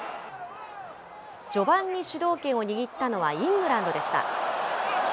序盤に主導権を握ったのはイングランドでした。